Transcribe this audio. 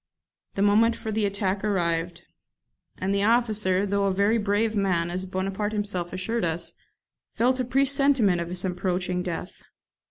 The moment for the attack arrived, and the officer, though a very brave man, as Bonaparte himself assured us, felt a presentiment of his approaching death.